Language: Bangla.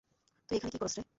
তুই এখানে কী করস বে?